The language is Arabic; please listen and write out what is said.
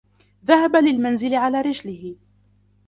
ذهب للمنزل علي رجله.